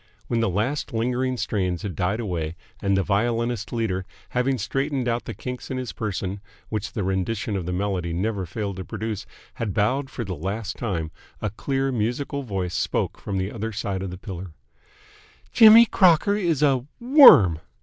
When the last lingering strains had died away and the violinist leader, having straightened out the kinks in his person which the rendition of the melody never failed to produce, had bowed for the last time, a clear, musical voice spoke from the other side of the pillar. "Jimmy Crocker is a WORM!"